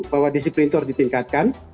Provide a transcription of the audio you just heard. bahwa disiplin itu harus ditingkatkan